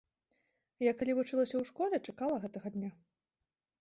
Я, калі вучылася ў школе, чакала гэтага дня.